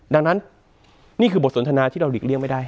ดังนั้นนี่คือบทสนทนาที่เราหลีกเลี่ยงไม่ได้